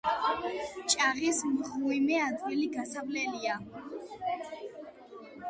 ჭაღის მღვიმე ადვილი გასასვლელია.